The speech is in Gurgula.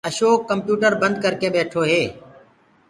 اشوڪ ڪمپيوٽرو بنٚد ڪر ڪي ٻيٺو هي